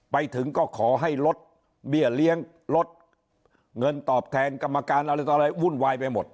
ไปถึงก็ขอให้ลดเบี้ยเลี้ยงลดเงินตอบแทนกรรมการอะไรต่ออะไรวุ่นวายไปหมด